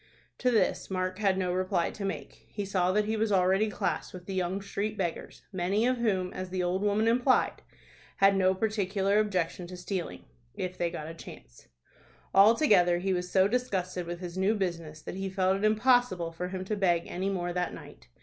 To this Mark had no reply to make. He saw that he was already classed with the young street beggars, many of whom, as the old woman implied, had no particular objection to stealing, if they got a chance. Altogether he was so disgusted with his new business, that he felt it impossible for him to beg any more that night.